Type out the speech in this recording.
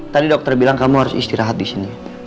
tadi dokter bilang kamu harus istirahat disini